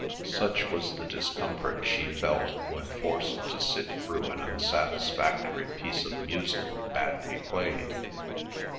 Such was the discomfort she felt when forced to sit through an unsatisfactory piece of music badly played.